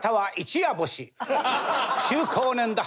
中高年だ。